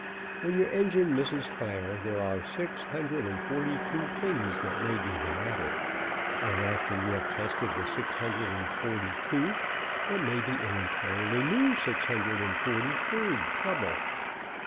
When your engine misses fire there are six hundred and forty two things that may be the matter, and after you have tested the six hundred and forty two, it may be an entirely new six hundred and forty third trouble.